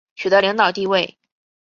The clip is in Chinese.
取得领导地位